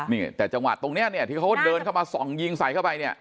นี่แต่จังหวัดตรงเนี้ยเนี่ยที่เขาเดินเข้ามาส่องยิงใส่เข้าไปเนี่ย